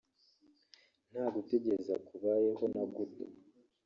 nta gutegereza kubayeho na guto